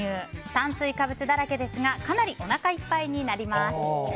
炭水化物だらけですがかなりおなかいっぱいになります。